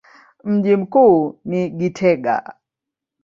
Mji mkuu ni Gitega.